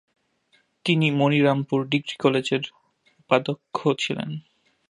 তিনি মনিরামপুর ডিগ্রি কলেজের উপাধ্যক্ষ ছিলেন।